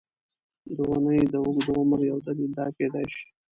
د ونې د اوږد عمر یو دلیل دا کېدای شي.